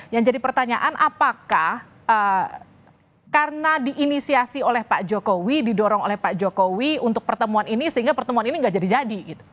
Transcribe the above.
yang jadi pertanyaan apakah karena diinisiasi oleh pak jokowi didorong oleh pak jokowi untuk pertemuan ini sehingga pertemuan ini gak jadi jadi